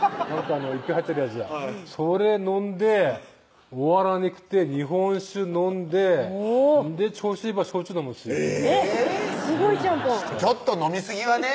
いっぺぇ入ってるやつはいそれ飲んで終わらねくて日本酒飲んでそんで調子いいば焼酎飲むんすすごいちゃんぽんちょっと飲みすぎはね